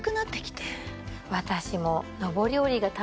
私も。